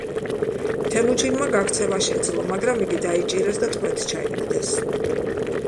თემუჩინმა გაქცევა შეძლო, მაგრამ იგი დაიჭირეს და ტყვედ ჩაიგდეს.